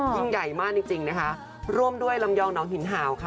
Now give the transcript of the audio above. ยิ่งใหญ่มากจริงจริงนะคะร่วมด้วยลำยองน้องหินห่าวค่ะ